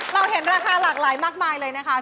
เราเห็นราคาหลากหลายมากมายเลยนะคะ